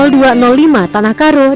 dan kodim dua puluh